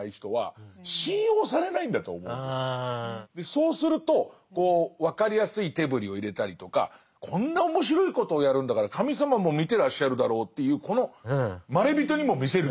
そうするとこう分かりやすい手ぶりを入れたりとかこんな面白いことをやるんだから神様も見てらっしゃるだろうという。